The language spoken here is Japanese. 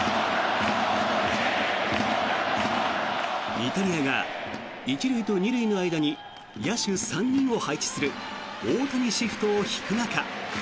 イタリアが、１塁と２塁の間に野手３人を配置する大谷シフトを敷く中。